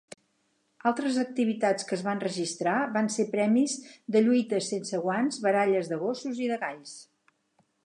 Altres activitats que es van registrar van ser premis de lluites sense guants, baralles de gossos i de galls.